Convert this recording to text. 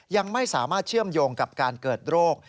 ยังไม่สามารถเชื่อมโยงกับการเกิดโรค